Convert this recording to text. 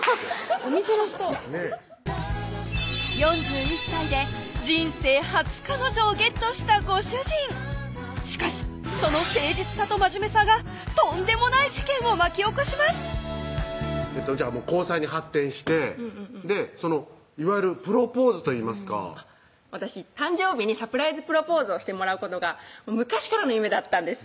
お店の人ねぇ４１歳で人生初彼女をＧＥＴしたご主人しかしその誠実さとまじめさがとんでもない事件を巻き起こしますじゃあ交際に発展していわゆるプロポーズといいますか私誕生日にサプライズプロポーズをしてもらうことが昔からの夢だったんです